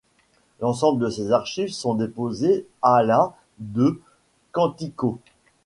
L'ensemble de ses archives sont déposées à la de Quantico.